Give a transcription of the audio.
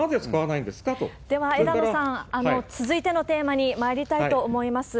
では、枝野さん、続いてのテーマにまいりたいと思います。